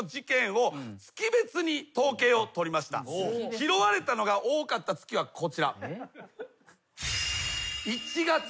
拾われたのが多かった月はこちら。